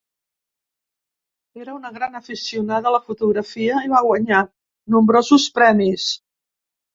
Era una gran aficionada a la fotografia i va guanyar nombrosos premis.